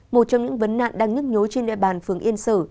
một trong những vấn nạn đang ngức nhối trên nệm bàn phường yên sở